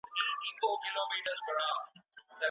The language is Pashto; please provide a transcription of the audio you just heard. ایا د ولایتونو په لیسو کي مسلکي ښوونکي سته؟